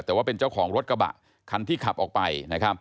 แต่ว่าเป็นเจ้าของรถกระบะคันที่ขับออกไปนะครับ